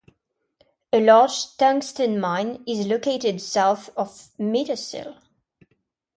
A large tungsten mine is located south of Mittersill.